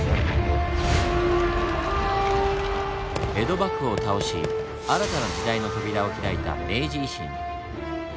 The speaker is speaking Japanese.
江戸幕府を倒し新たな時代の扉を開いた明治維新。